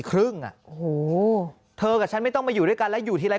ครึ่งอ่ะโอ้โหเธอกับฉันไม่ต้องมาอยู่ด้วยกันแล้วอยู่ทีไร